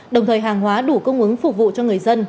đồng thời hàng hóa đủ cung ứng phục vụ cho người dân